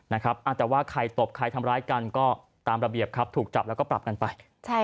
แต่ว่าใครตบใครทำร้ายกันก็ตามระเบียบครับถูกจับแล้วก็ปรับกันไป